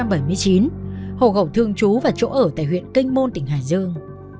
bốn đối tượng lê văn chín sinh năm một nghìn chín trăm bảy mươi chín hồ gẩu thường chú và chỗ ở tại huyện kinh môn tỉnh hải dương